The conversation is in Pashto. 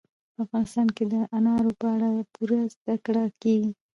په افغانستان کې د انارو په اړه پوره زده کړه کېږي.